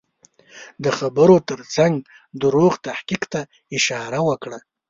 د خبرو په ترڅ کې دروغ تحقیق ته اشاره وکړه.